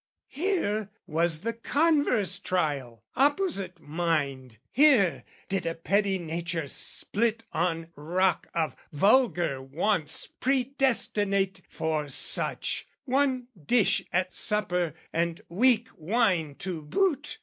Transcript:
Here was the converse trial, opposite mind: Here did a petty nature split on rock Of vulgar wants predestinate for such One dish at supper and weak wine to boot!